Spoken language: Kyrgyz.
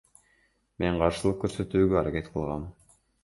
Мен каршылык көрсөтүүгө аракет кылгам.